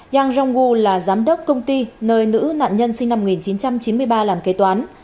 yang rong gu là giám đốc công ty nơi nữ nạn nhân sinh năm một nghìn chín trăm chín mươi ba làm kế toán